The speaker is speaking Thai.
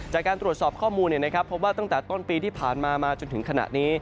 จากการตรวจสอบข้อมูลพบว่าตั้งแต่ต้นปีที่ผ่านมามาจนถึงขณะนี้